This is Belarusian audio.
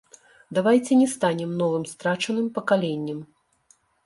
Давайце не станем новым страчаным пакаленнем!